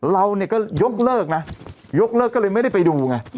เราเนี่ยก็ยกเลิกนะยกเลิกก็เลยไม่ได้ไปดูไง